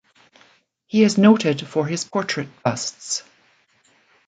He is noted for his portrait busts.